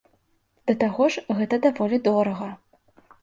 Да таго ж гэта даволі дорага.